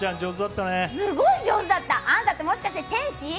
すごい上手だった、あんたって、もしかして天使？